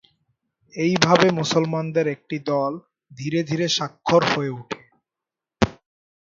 এইভাবে মুসলমানদের একটি দল ধীরে ধীরে সাক্ষর হয়ে ওঠে।